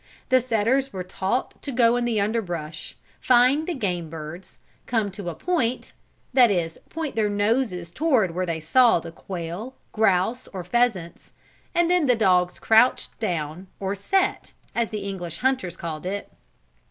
The setters were taught to go in the underbrush, find the game birds, come to a "point" that is point their noses toward where they saw the quail, grouse or pheasants, and then the dogs crouched down, or "set," as the English hunters called it.